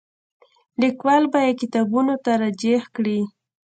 لیکوال به یې کتابونو ته راجع کړي.